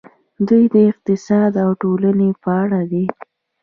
دوی د اقتصاد او ټولنې په اړه دي.